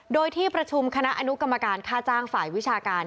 โดยที่ประชุมคณะอนุกรรมการค่าจ้างฝ่ายวิชาการ